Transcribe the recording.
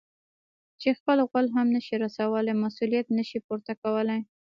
چې خپل غول هم نه شي رسولاى؛ مسؤلیت نه شي پورته کولای.